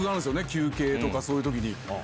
休憩とかそういう時に。